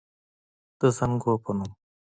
د زانګو پۀ نوم